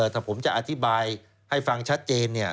ถ้าผมจะอธิบายให้ฟังชัดเจนเนี่ย